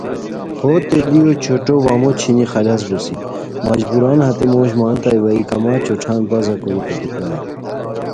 ہو تیلیو چوٹھو وا مو چھینی خلص بوسی مجبوراً ہتے موش مانیتائے وا ای کما چوٹھان پازہ کوری توتے پرائے